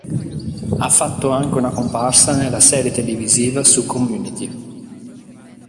Ha fatto anche una comparsa nella serie televisiva su "Community".